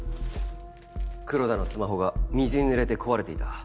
黒田のスマホが水に濡れて壊れていた。